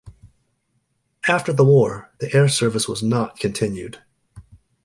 After the war, the air service was not continued.